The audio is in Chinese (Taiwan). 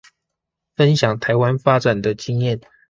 分享臺灣發展的經驗